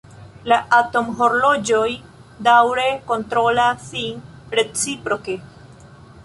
La atomhorloĝoj daŭre kontrolas sin reciproke.